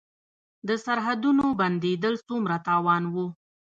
د سرحدونو بندیدل څومره تاوان و؟